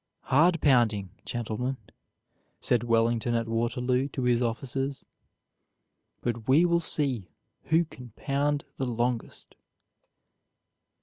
"Hard pounding, gentlemen," said Wellington at Waterloo to his officers, "but we will see who can pound the longest."